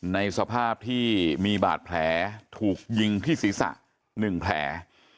ในสภาพที่มีบาดแผลถูกยิงที่ศีรษะ๑แผล